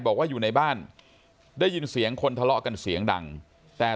บอกว่าอยู่ในบ้านได้ยินเสียงคนทะเลาะกันเสียงดังแต่